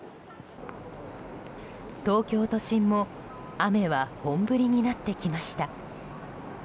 東京都心も雨は、本降りになってきました。